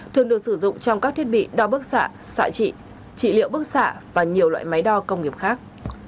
thường được sử dụng trong các thiết bị đo bước xạ xạ trị trị liệu bước xạ và nhiều loại máy đo công nghiệp khác